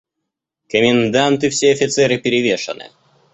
Комендант и все офицеры перевешаны.